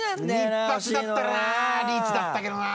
２８だったらなリーチだったけどな。